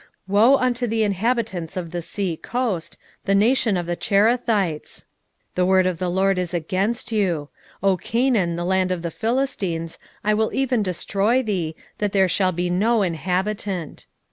2:5 Woe unto the inhabitants of the sea coast, the nation of the Cherethites! the word of the LORD is against you; O Canaan, the land of the Philistines, I will even destroy thee, that there shall be no inhabitant.